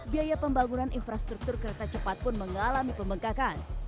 biaya pembangunan infrastruktur kereta cepat pun mengalami pembengkakan